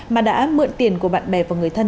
mà đã mượn tiền của bạn bè và người thân